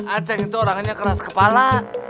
a ceng itu orangnya keras kepala